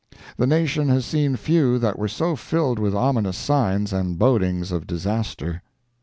The nation has seen few that were so filled with ominous signs and bodings of disaster.